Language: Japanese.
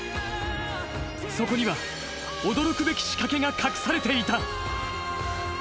そこには、驚くべき仕掛けが隠されていた。